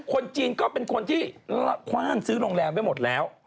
คนจีนก็เป็นคนที่คว่านซื้อโรงแรมไว้หมดแล้ว